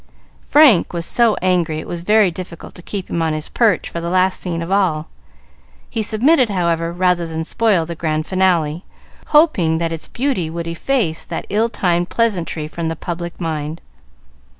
Frank was so angry, it was very difficult to keep him on his perch for the last scene of all. He submitted, however, rather than spoil the grand finale, hoping that its beauty would efface that ill timed pleasantry from the public mind.